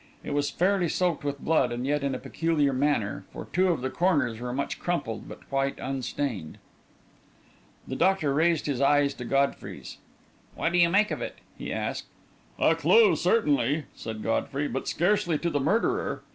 It was fairly soaked with blood, and yet in a peculiar manner, for two of the corners were much crumpled but quite unstained. The doctor raised his eyes to Godfrey's. "What do you make of it?" he asked. "A clue, certainly," said Godfrey; "but scarcely to the murderer."